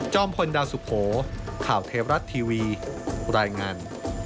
พลดาวสุโขข่าวเทวรัฐทีวีรายงาน